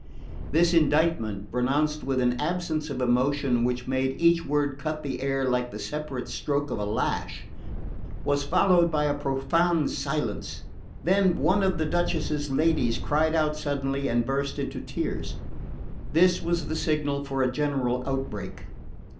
This indictment, pronounced with an absence of emotion which made each word cut the air like the separate stroke of a lash, was followed by a prolonged silence; then one of the Duchess's ladies cried out suddenly and burst into tears. This was the signal for a general outbreak.